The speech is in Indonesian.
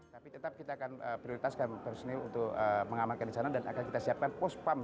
tapi tetap kita akan prioritaskan personil untuk mengamankan di sana dan akan kita siapkan pospam